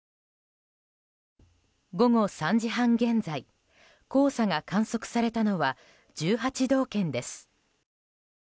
午後３時半現在黄砂が観測されたのは１８道県です。